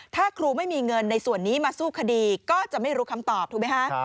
ถ้าครูไม่มีเงินในส่วนนี้มาสู้คดีก็จะไม่รู้คำตอบถูกไหมคะ